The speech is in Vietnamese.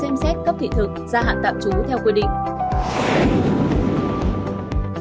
xem xét cấp thị thực gia hạn tạm trú theo quy định